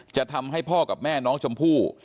จะทำให้พ่อกับแม่น้องชมพู่